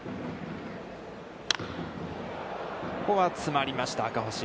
ここは詰まりました赤星。